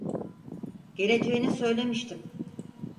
Geleceğini söylemiştim.